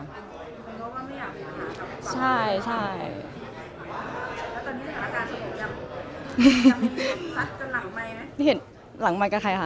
นี่เห็นหลังไมค์กับใครคะ